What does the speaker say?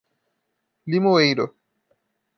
Limoeiro